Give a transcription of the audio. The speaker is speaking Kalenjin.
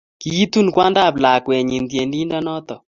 Kiitun kwandab lakwetnyi tiendindonotok.